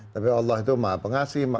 tapi allah itu maha pengasih